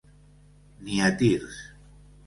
Ni a tirs.